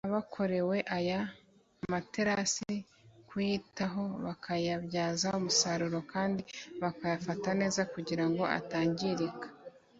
Abakorewe aya materasi kuyitaho bakayabyaza umusaruro kandi bakayafata neza kugira ngo atangirika